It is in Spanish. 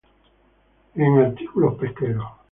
En: Artículos Pesqueros.